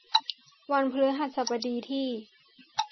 วันพฤหัสบดีที่